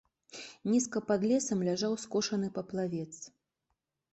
Нізка пад лесам ляжаў скошаны паплавец.